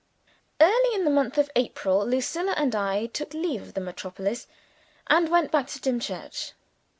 Early in the month of April, Lucilla and I took leave of the Metropolis, and went back to Dimchurch.